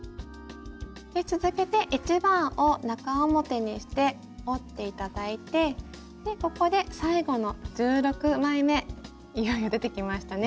続けて１番を中表にして折って頂いてここで最後の１６枚めいよいよ出てきましたね。